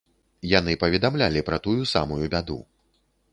Яны паведамлялі пра тую самую бяду.